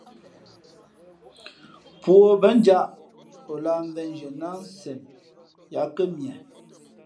Pō ǒ mbά njāʼ, ǒ lāh mvēnzhiē nά ā nsen yā kά mie.